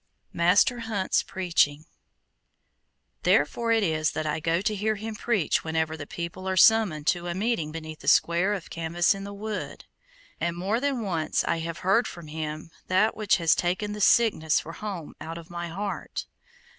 MASTER HUNT'S PREACHING Therefore it is that I go to hear him preach whenever the people are summoned to a meeting beneath the square of canvas in the wood, and more than once I have heard from him that which has taken the sickness for home out of my heart.